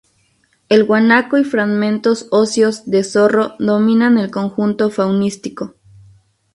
El guanaco y fragmentos óseos de zorro dominan el conjunto faunístico.